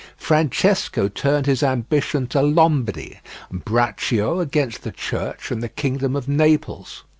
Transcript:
Francesco turned his ambition to Lombardy; Braccio against the Church and the kingdom of Naples.